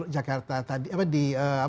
jakarta tadi apa di